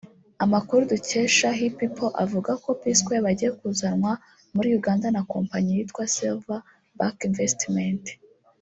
Amakuru dukesha hipipo avuga ko P-Square bagiye kuzanwa muri Uganda na kompanyi yitwa Silver Back Investment